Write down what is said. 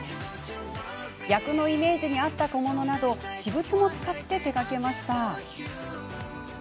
役のイメージに合った小物など私物も使って手がけました。